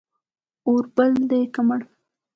اور بل دی که مړ